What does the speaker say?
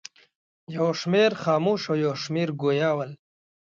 یو شمېر خموش او یو شمېر ګویا ول.